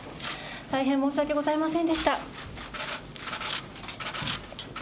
大変申し訳ございませんでした。